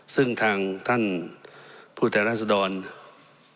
ซึ่งทางท่านผู้แทนรัศดร